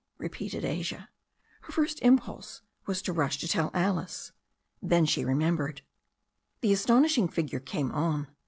repeated Asia. Her first impulse was to rush to tell Alice. Then she remembered. The astonishing figure came on.